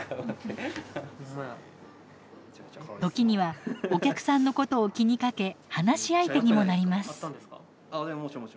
時にはお客さんのことを気にかけ話し相手にもなります。